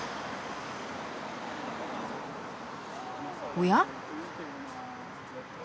おや？